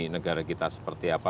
negara kita seperti apa